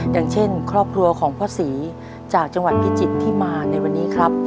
อย่างเช่นครอบครัวของพ่อศรีจากจังหวัดพิจิตรที่มาในวันนี้ครับ